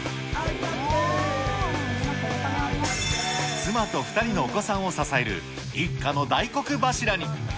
妻と２人のお子さんを支える一家の大黒柱に。